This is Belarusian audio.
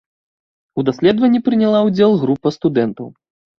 У даследаванні прыняла ўдзел група студэнтаў.